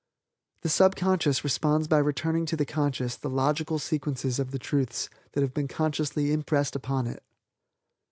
The subconscious responds by returning to the conscious the logical sequences of the Truths that have been consciously impressed upon it.